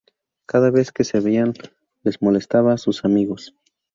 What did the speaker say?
Cada vez que se veían les molestaba a sus amigos.